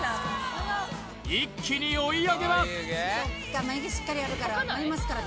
一気に追い上げます！